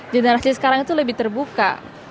generasi sekarang itu lebih terbuka